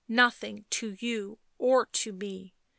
" Nothing to you or to me.